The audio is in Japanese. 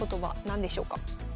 何でしょうか。